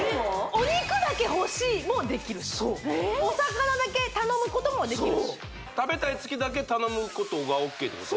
お肉だけ欲しいもできるしそうお魚だけ頼むこともできるしそう食べたい月だけ頼むことがＯＫってこと？